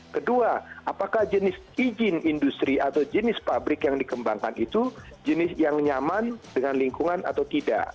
kedua apakah jenis izin industri atau jenis pabrik yang dikembangkan itu jenis yang nyaman dengan lingkungan atau tidak